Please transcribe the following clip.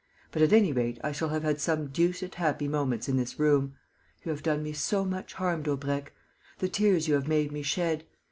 But at any rate I shall have had some deuced happy moments in this room. You have done me so much harm, Daubrecq! The tears you have made me shed!